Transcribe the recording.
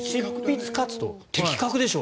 的確でしょ？